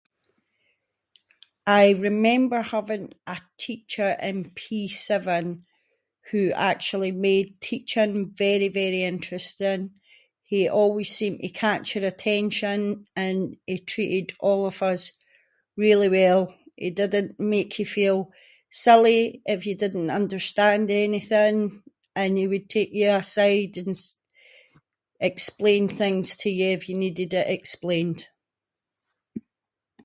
I remember having a teacher in P7 who actually made teaching very very interesting. He always seemed to catch your attention, and he treated all of us really well, he didn’t make you feel silly if you didn’t understand anything, and he would take you aside and s-explain things to you if you needed it explained.